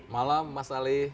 malam mas ali